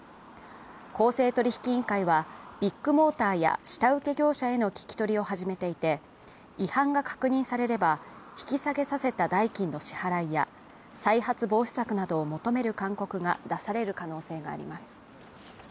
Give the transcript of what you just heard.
公正取引委員会はビッグモーターや下請け業者への聞き取りを始めていて、違反が確認されれば引き下げさせた代金の支払いや再発防止策などを求める勧告が出される可能性があります。